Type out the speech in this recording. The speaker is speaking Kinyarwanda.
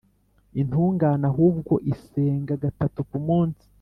Intungane ahubwo isenga gatatu ku munsi